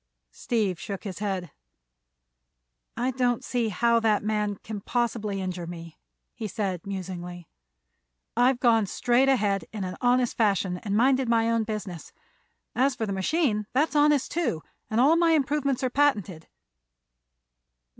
Steve shook his head. "I don't see how that man can possibly injure me," he said, musingly. "I've gone straight ahead, in an honest fashion, and minded my own business. As for the machine, that's honest, too, and all my improvements are patented."